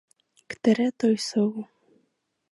Které to jsou?